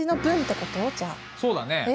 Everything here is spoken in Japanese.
そうだね。